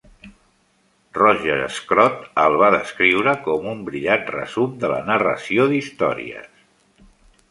Roger Scruton el va descriure com un "brillant resum de la narració d'històries".